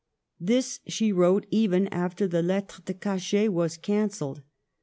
This she wrote even after the lettre de cachet was cancelled.